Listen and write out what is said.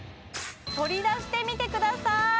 取り出してみてください！